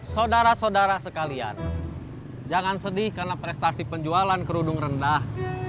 saudara saudara sekalian jangan sedih karena prestasi penjualan kerudung rendah